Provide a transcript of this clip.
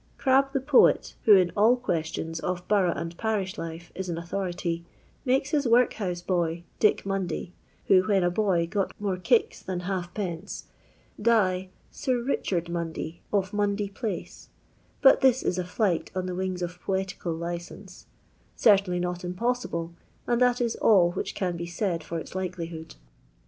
Crabbe, the poet, who in all questions of borough and parish life is an authority, makes his workhouse boy, Dick Mon day, who when a boy got more kicks than half pence, die Sir Eichord Monday, of Monday place; but this is a flight on the wings of poetical licence ; certainly not impossible, and that is aU which can be said for its likelihood.